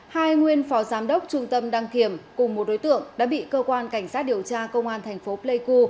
hai nguyên phó giám đốc trung tâm đăng kiểm cùng một đối tượng đã bị cơ quan cảnh sát điều tra công an tp playcu